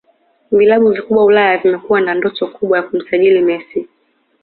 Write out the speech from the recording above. Vilabu vikubwa Ulaya vimekuwa na ndoto kubwa ya kumsajili Messi